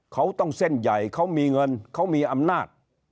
เขาต้องเส้นใหญ่เขามีเงินเขามีอำนาจ